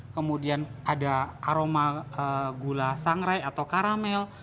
kemudian ada aroma gula sangrai atau karamel